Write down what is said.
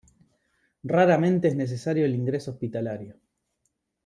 Raramente es necesario el ingreso hospitalario.